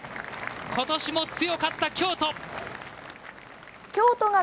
ことしも強かった、京都。